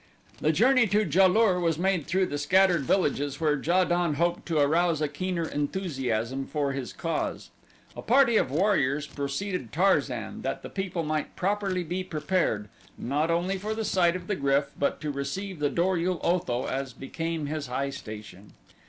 The journey to Ja lur was made through the scattered villages where Ja don hoped to arouse a keener enthusiasm for his cause. A party of warriors preceded Tarzan that the people might properly be prepared, not only for the sight of the GRYF but to receive the Dor ul Otho as became his high station.